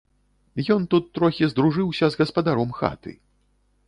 Ён тут трохі здружыўся з гаспадаром хаты.